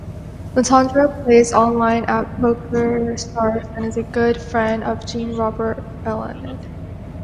Lisandro plays online at PokerStars and is a good friend of Jean-Robert Bellande.